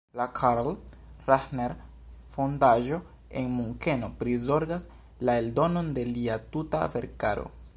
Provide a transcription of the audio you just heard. La Karl-Rahner-Fondaĵo en Munkeno prizorgas la eldonon de lia tuta verkaro.